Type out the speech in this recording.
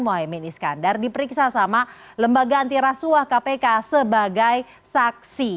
mohaimin iskandar diperiksa sama lembaga antirasuah kpk sebagai saksi